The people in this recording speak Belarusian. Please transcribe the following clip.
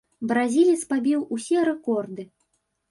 Бразілец пабіў усе рэкорды.